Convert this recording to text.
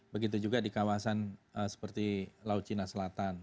begitu juga di kawasan seperti laut cina selatan